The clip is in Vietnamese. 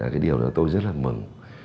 cái điều đó tôi rất là mừng